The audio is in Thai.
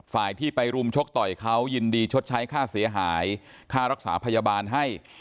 ฝ่ายที่ไปรุมชกต่อยเขายินดีชดใช้ค่าเสียหายค่ารักษาพยาบาลให้